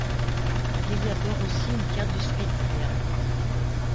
Il élabore aussi une carte du Spitzberg.